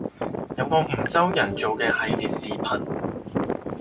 有個梧州人做嘅系列視頻